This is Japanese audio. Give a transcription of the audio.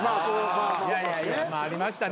いやいやいやまあありましたね。